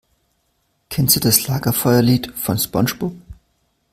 Kennst du das Lagerfeuerlied von SpongeBob?